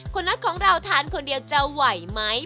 คุณนัทของเราทานคนเดียวจะไหวไหม